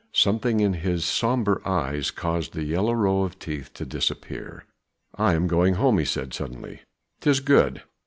Something in his sombre eyes caused the yellow row of teeth to disappear. "I am going home," he said suddenly. "'Tis good!